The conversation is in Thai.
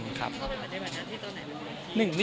แต่สมัยนี้ไม่ใช่อย่างนั้น